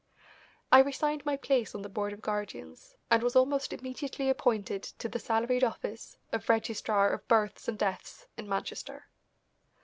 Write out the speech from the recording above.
I resigned my place on the Board of Guardians, and was almost immediately appointed to the salaried office of Registrar of Births and Deaths in Manchester.